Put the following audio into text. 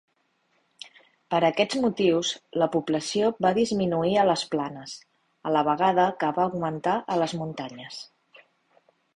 Per aquests motius, la població va disminuir a les planes, a la vegada que va augmentar a les muntanyes.